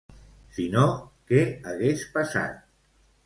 Si no què hagués passat?